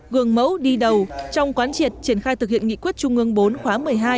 gương mẫu đi đầu trong quán triệt triển khai thực hiện nghị quyết trung ương bốn khóa một mươi hai